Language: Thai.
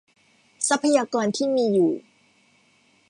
ทรัพยากรที่มีอยู่